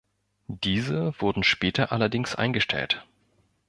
Diese wurden später allerdings eingestellt.